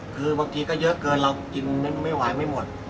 คือบางทีก็เยอะเกินเรากินไม่ไหวไม่หมด